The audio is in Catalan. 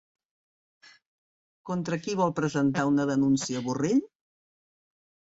Contra qui vol presentar una denúncia Borrell?